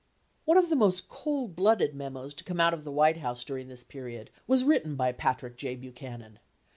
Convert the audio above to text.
One of the most cold blooded memos to come out of the White House during this period was written by Patrick J. Buchanan.